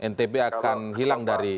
ntb akan hilang dari